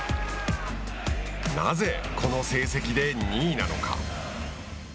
なぜ、この成績で２位なのか。